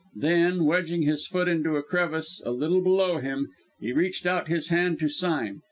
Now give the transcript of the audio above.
Then, wedging his foot into a crevice a little below him, he reached out his hand to Sime.